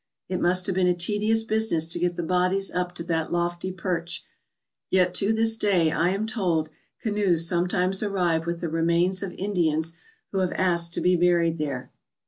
It must have been a tedious business to get the bodies up to that lofty perch, yet to this day, I am told, canoes sometimes arrive with the remains of Indians who have asked to be buried there.